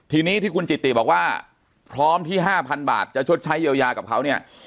ทีนี้ที่คุณจิติบอกว่าพร้อมที่๕๐๐๐บาทจะชดใช้เยียวยากับเขาเนี่ย